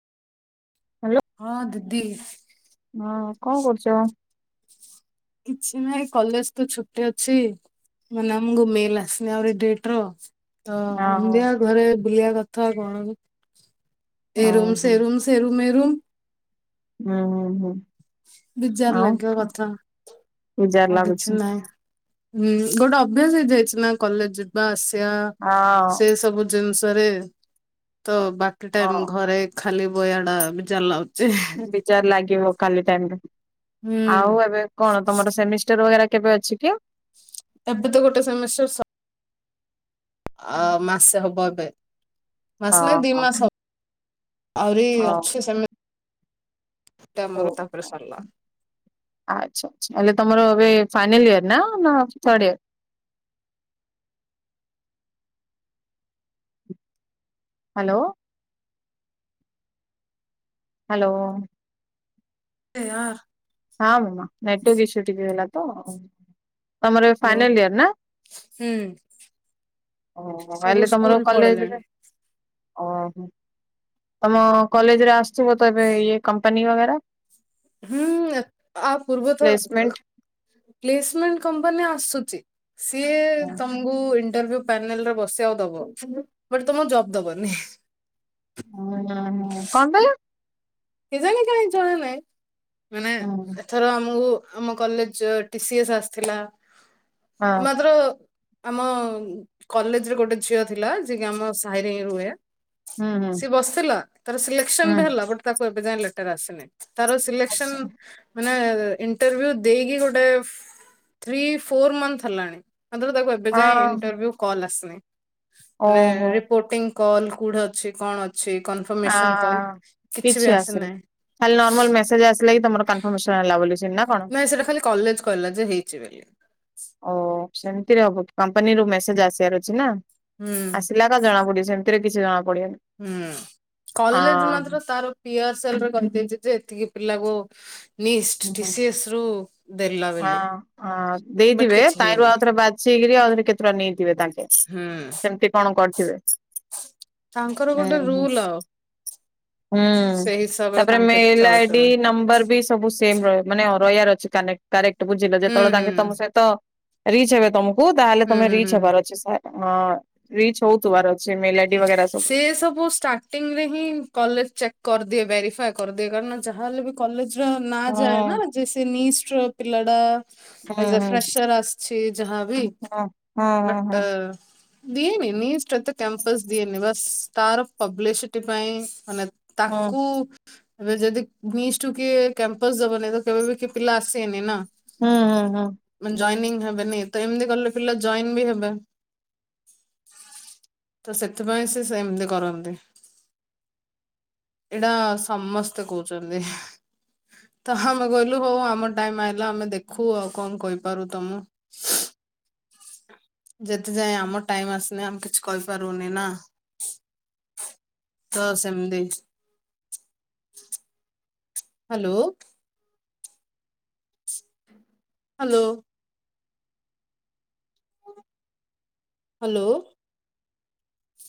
Hello. ହଁ ଦିଦି। ହଁ କଣ କରୁଚ? କିଛି ନାଏଇ କଲେଜେ ତ ଛୁଟି ଅଛି। ମାଲାମ ଘୁମେଇଲା ସ୍ନେହରେ ଡେଟେ ର। ତ ଓହୋ ଏମିତିଆ ଘରେ ବୁଲିବା କଥା କଣ ଏ ରୁମ୍ ଓହୋ ସେ ରୁମ୍। ତେରୁ ମେରୁମ୍। ହୁଁ ହୁଁ। ବିଜାର ଆଉ ଲାଗିବା କଥା ବିଜାର ଆଉ ଲାଗୁଛି। କିଛି ନାହିଁ। ହୁଁ ଗୋଟେ ଅଭ୍ୟାସ ହେଇ ଯାଇଛି ନା କଲେଜେ ଯିବା ଆସିବା ହଁ ସେ ସବୁ ଜିନିଷରେ ତ ବାକି ହଁ ଟାଇମ୍ ଘରେ ଖାଲି ବୟାଟା ବି ଜାର ଲାଗୁଚି। ଯେହେ। ଲାଗିବ କାଲିଟାମ୍ ରେ ହୁଁ ଆଉ ଏବେ କଣ ତମର ସେମିଷ୍ଟାର ଓୟାର କେବେ ଅଛି? କି ଉଁ। ଏବେତ ଗୋଟେ ସେମିଷ୍ଟାର ସ ଅ ମାସେ ହବ ଏବେ ମାସ ନାଇଁ ଦି ଓହୋ ମାସ। ଆହୁରି ହଉ ଅଛି ସେମି ହଉ। ତାମର ତା ପରେ ସରିଲା। ଆଚ୍ଛା ଆଛା ହେଲେ ତମର ଏବେ ଫାଇନାଲ୍ ଇୟର ନା ଥାର୍ଡ ଇୟର? ହାଲୋ। ହାଲୋ। ଏ ଆର ହଁ ମାମା ନେଟୱକ ଇସ୍ୟୁ ଟିକେ ହେଲା ତ ତମର ଏବେ ଫାଇନାଲଇୟର ନା? ହୁଁ। ଓହୋ ମୁଁ ସବୁ ଭାବିଲି ତମର ସ୍କୁଲ କଲେଜରେ ପଳେଇଲେଣି ଓହୋ। ତମ କଲେଜ୍ ରେ ଆସିଛି ମୋର୍ ତ ଏବେ ଇଏ କମ୍ପାନୀ ବଗରା। ହୁଁ ଆ ପୂର୍ବଥର କ ପ୍ଲେସମେଣ୍ଟ ପ୍ଲେସ୍ ମେଣ୍ଟ୍ କମ୍ପାନୀ ଆସୁଛି। ସିଏ ତମ୍ କୁ ତମକୁ ଇଣ୍ଟ୍ରଭିୟୁ ପ୍ୟାନେଲ୍ ରେ ବସେଇବାକୁ ଦେବ ବଟ୍ ତମ ଜବ୍ ଦବନି। [unintelligible] କନ ପାଇ କା? କେଜାଣି କାଇ ଜଣା ନାଇ ମାନେ ହଁ ଏଥରେ ଆମକୁ ଆମ କଲେଜ୍ ଟିସିଏସ୍ ଆସିଥିଲା ମାତ୍ର ଆମ କଲେଜ୍ ରେ ଗୋଟେ ଝିଅ ଥିଲା ଯିଏ କିି ଆମ ସାହିରେ ହିଁ ରୁହେ। ହୁଁ ହୁଁ ସିଏ ବସିଥିଲା ତାର ସ୍ରିଲେକ୍ସନ୍ ହୁଁ ବି ହେଲା ବଟ୍ ତାକୁ ଏବେ ଯାଏ ଲେଟର୍ ଆସିନି। ତାର ସିଲେକ୍ସନ୍ ମାନେ ଇଣ୍ଟରଭି୍ୟୁ ଦେଇକି ଗୋଟେ ଥ୍ରୀ ଫୋର୍ ମଂଥ ହେଲାଣି ମାତ୍ରା ତାକୁଏବେ। ଏବେ ଯାଏ ହଁ ଇଣ୍ଟଭ୍ୟୁ କଲ୍ ଆସିନି ମାନେ ଓହୋ ରିପୋଟିଙ୍ଗ୍ କଲ୍ କୋଉଠି ଅଛି କଣ? ଅଛି ଆ କନଫର୍ମେସନ୍ କଲ୍। ବି କିଛି ଆସିନି ଆସିନାହିଁ ଖାଲି ନର୍ମାଲ୍ ମେସେଜ୍ ଆସିଲା କିି ତମର କାନଫର୍ମେସନ ହେଲା ବୋଲି ନା କଣ? ନାଇଁ ସେଟା ଖାଲି କଲେଜ୍ କହିଲା ଯେ ହେଇଛି ବୋଲି। ଓ ସେମିତିରେ ହବ କି କମ୍ପାନୀରୁୁ ମେସେଜ୍ ଆସିବାର ଅଛି ନା ହୁଁ ଆସିଲା ଜଣାପଡିବ ସେମିତି କିଛି ଜଣା ପଡିବନି। ହୁଁ କଲେଜ୍ ମାତ୍ର ହଁ ତାର ପିଅର୍ର୍ ସେଲ୍ଫ୍ ରେ କହିଦେଇଛି ଯେ ଏତିକି ପିଲାକୁ। ନିଷ୍ଟ୍ ହଁ ଟିିସିୟେସ୍ ରୁ ଦେଲାବୋଲି ବଟ୍ କିଛି ହେଇନି। ଶିଲି ରୁ ଆହୁରି କେତୁଟା ନେଇଥିବେ ତାଙ୍କେ। ହୁଁ ସେମିତି କଣ କରିଥିବେ ତାଙ୍କର ଗୋଟେ ଉହୁଁ। ରୁଲ ଆଉ ହୁଁ ସେଇ ହିସାବରେ ତାପରେ ତାଙ୍କେ ମେଲ୍ ଆଇଡି ଚାଲୁଛନ୍ତି। ନମ୍ବର୍ ସବୁ ସେମ୍ ରହି ମାନେ ରହିବାର ଅଛି କାନାଇଟ୍ କରକଟ୍ ବୁଝିଲ ହୁଁ ଯେତେବେଳେ ହୁଁ। ତାଙ୍କେ ତମ ସହିତ ରିଚ୍ ହେବେ ତମକୁ ତାହେଲେ ହୁଁ ତମେ ହୁଁ ହୁଁ ରିଚ୍ ହେବାର ଅଛି ସାର୍। ହଁ ରିଚ୍ ହଉ ଥିବାର ଅଛି ମେଲ୍ଆଇଡିବେଗେରା ସବୁ। ସେ ସବୁ ଷ୍ଟାର୍ଟିଂ ରେ ହିଁ କଲେଜ୍ ଚେକ୍ କରିଦିଏ ଭେରିଫାଏ କରିଦିଏ କାରଣ ଯାହା ହେଲେ ବି କଲେଜ୍ ର ନାଁ ଯାଏ ନା ହଁ। ଜେସେ ନିସ୍ଟ୍ ର ପିଲା ଟା। ହୁଁ ଆଜି ହୁଁ ଜଫ୍ରାସର୍ ଆସିଛି ଯାହ୍ନାବି ହଁ ହଁ ହଁ ହଁ ବଟ୍ ଦିଏନି ନିଷ୍ଟି ରେ କମ୍ପସ ଦିଏନି ବସ୍ ପବଲି ସିଟି ପାଇ ହଁ ତାକୁ ଏବେ ଯଦି ମିଷ୍ଟୁ କିଏ କ୍ୟାମ୍ପସ୍ ଦବନି ତ କେବେ ବି ପିଲା ଆସିବେନି ନା। ହୁଁ ହୁଁ ହୁଁ। ମାନେ ଜଏନିଙ୍ଗ ହେବେନି ଏତେ ଏମିତି କଲେ ପିଲା ଜଏନ୍ ବି ହେବେ। ତ ସେଥିପାଇଁ ସେ ସେମିତି କରନ୍ତି। ଏଇଟା ସମସ୍ତେ କହୁଛନ୍ତି। ତ ଆମେ କହିଲୁ ହଉ ଆମ ଟାଇମ ଆଇଲା ଆମେ ଦେଖୁ ଆଉ କଣ କହିପାରୁ ତମେ। [unintelligible] ଯେତେ ଯାଏ ଆମ ଟାଇମ୍ ଆସିନି ଆମେ କିଛି କହିପାରିବୁନି ନା। ତ ସେମିଦି। ହାଲୋ। ହାଲୋ। ହାଲୋ।